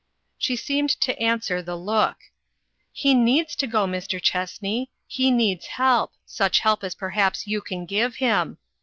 She seemed to answer the look. " He needs to go, Mr. Chessney. He needs help ; such help as perhaps you can give him.